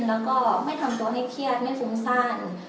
แล้วก็ไม่ทำตัวไม่เครียดไม่ฟุ้งซ่าน